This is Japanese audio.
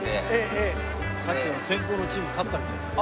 さっきの先攻のチーム勝ったみたいですよ。